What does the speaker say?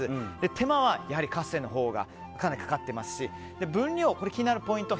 手間はやはりカスレのほうがかなりかかっていますし分量、気になるポイント。